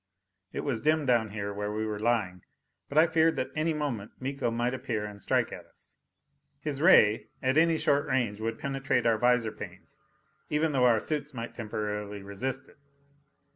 It was dim down here where we were lying, but I feared that any moment Miko might appear and strike at us. His ray at any short range would penetrate our visor panes, even though our suits might temporarily resist it.